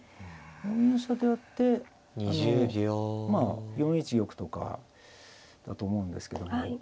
５四飛車とやってまあ４一玉とかだと思うんですけども。